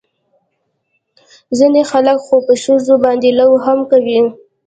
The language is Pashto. ځينې خلق خو په ښځو باندې لو هم کوي.